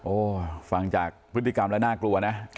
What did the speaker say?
ฟังจากพฤติกรรมแล้วน่ากลัวนะ